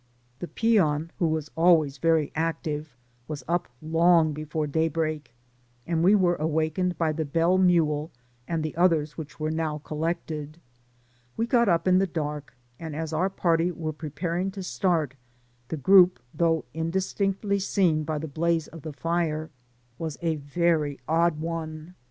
The peon, who was always very active, was up long before day break, and we were awakened by the bell mule and the others which were now col lected. We got up in the dark, and as our party were preparing to start, the group, though in distinctly seen by the blaze of the fire, was a very odd one.